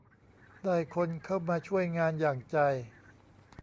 ได้คนเข้ามาช่วยงานอย่างใจ